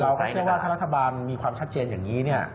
เชื่อว่าถ้ารัฐบาลมีความชัดเจนอย่างนี้